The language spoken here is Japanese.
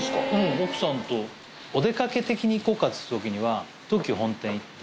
お出掛け的に行こうかっていう時には東急本店行って。